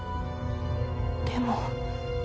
でも。